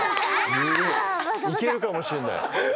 いけるかもしれない。